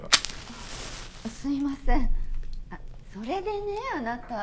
あっすいませんそれでねあなた。